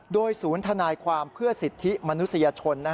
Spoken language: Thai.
โดยศูนย์ทนายความเพื่อสิทธิมนุษยชน